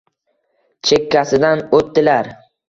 Chekkasidan o’tdilar